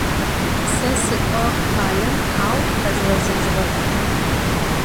Se sık'uağ khalem, au khezğezejığep.